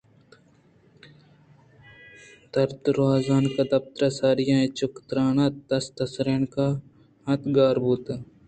دروازگ ءِ پترگءَ ساری آئیءَ چک ترّینت دست سُرینت اَنتءُگار بوت